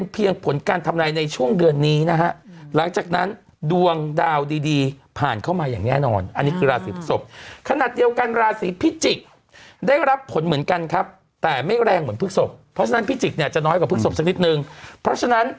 สินห้ารักษาให้ได้เหมือนฉันเดี๋ยวพรุ่งนี้จะไปแฉน่ะ